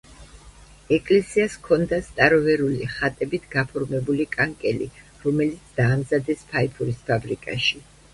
ეკლესიას ჰქონდა სტაროვერული ხატებით გაფორმებული კანკელი, რომელიც დაამზადეს ფაიფურის ფაბრიკაში.